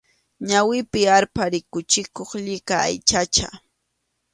Ñawipi arpha rikuchikuq llika aychacha.